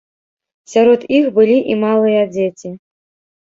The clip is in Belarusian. Сярод іх былі і малыя дзеці.